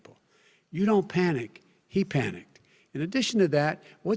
presiden tidak memiliki rencana dia tidak menetapkan apa apa